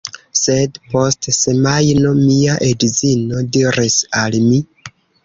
Sed, post semajno, mia edzino diris al mi: